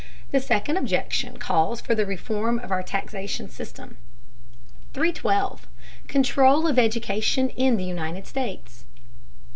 The second objection calls for the reform of our taxation system. 312. CONTROL OF EDUCATION IN THE UNITED STATES.